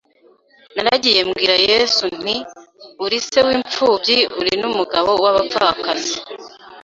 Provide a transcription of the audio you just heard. Naragiye mbwira Yesu nti uri se w’imfumbyi uri n’umugabo w’abapfakazi